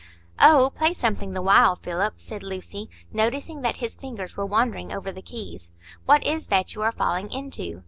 "Oh, play something the while, Philip," said Lucy, noticing that his fingers were wandering over the keys. "What is that you are falling into?